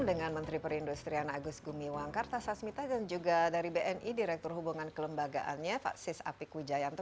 dengan menteri perindustrian agus gumiwang kartasasmita dan juga dari bni direktur hubungan kelembagaannya faksis apik wijayanto